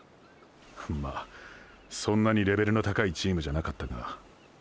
まあそんなにレベルの高いチームじゃなかったが。